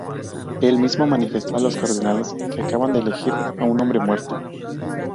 Él mismo manifestó a los cardenales que acababan de elegir "a un hombre muerto".